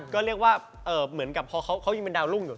ก็เรียกว่าเหมือนกับพอเขายังเป็นดาวรุ่งอยู่